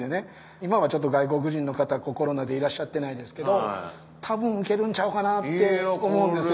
今は外国人の方コロナでいらっしゃってないですけど多分ウケるんちゃうかなって思うんですよ。